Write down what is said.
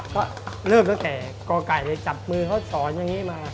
ก็เริ่มตั้งแต่กไก่เลยจับมือเขาสอนอย่างนี้มา